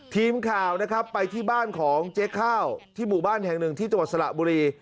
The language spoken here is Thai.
ทีมข่าวนะครับไปที่บ้านของเจ๊ข้าวที่หมู่บ้านแห่งหนึ่งที่จังหวัดสระบุรี